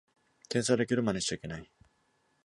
天才だけどマネしちゃいけない